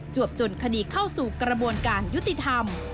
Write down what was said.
วบจนคดีเข้าสู่กระบวนการยุติธรรม